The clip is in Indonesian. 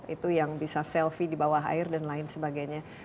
itu yang bisa selfie di bawah air dan lain sebagainya